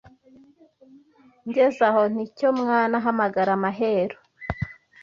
Ngeze aho nti: cyo mwana Hamagara Mahero